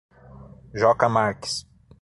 Joca Marques